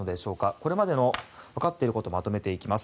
これまでにわかっていることをまとめていきます。